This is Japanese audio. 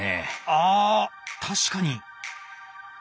あ確かに。